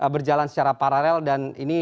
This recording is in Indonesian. berjalan secara paralel dan ini